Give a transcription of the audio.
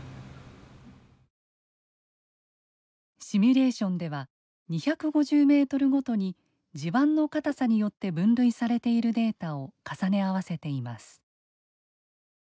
シミュレーションでは２５０ｍごとに地盤の固さによって分類されているデータを重ね合わせています。